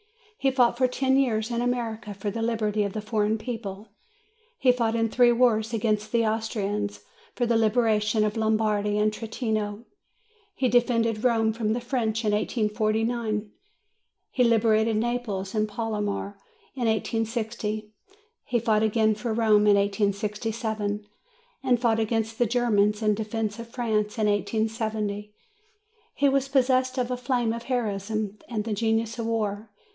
He fought for ten years in America for the liberty of a foreign people ; he fought in three wars against the Austrians, for the liberation of Lombardy and Trentino; he defended Rome from the French in 1849; he liberated Naples and Palermo in 1860; he fought again for Rome in 1867; and fought against the Germans in defence of France in 1870. He was possessed of the flame of heroism and the genius of war.